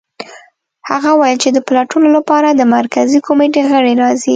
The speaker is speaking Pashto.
هغه وویل چې د پلټنو لپاره د مرکزي کمېټې غړي راځي